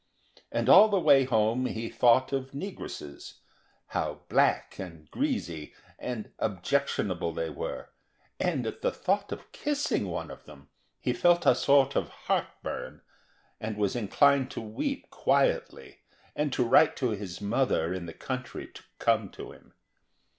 And all the way home he thought of negresses, how black and greasy and objectionable they were, and at the thought of kissing one of them, he felt a sort of heart burn, and was inclined to weep quietly and to write to his mother in the country to come to him.